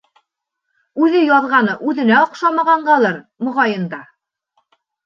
— Үҙе яҙғаны үҙенә оҡшамағанғалыр, моғайын да.